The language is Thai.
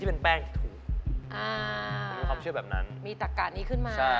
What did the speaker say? ต้องอยู่ก่อนปวดหัวทำไมเงินรอคุณอยู่